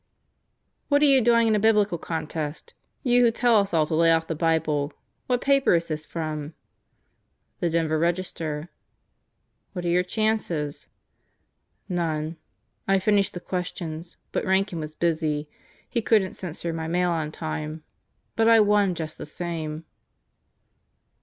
"What are you doing in a Biblical Contest you who tell us all to lay off the Bible? What paper is this from?" "The Denver Register." "What are your chances?" "None. I finished the questions, but Rankin was busy. He couldn't censor my mail on time. But I won just the same."